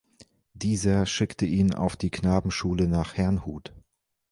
Dieser schickte ihn auf die Knabenschule nach Herrnhut.